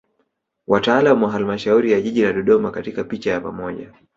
Wataalam wa Halmashauri ya Jiji la Dodoma katika picha ya pamoja